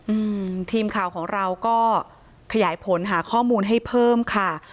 อืมทีมข่าวของเราก็ขยายผลหาข้อมูลให้เพิ่มค่ะ